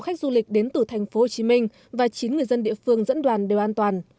ba mươi sáu khách du lịch đến từ tp hcm và chín người dân địa phương dẫn đoàn đều an toàn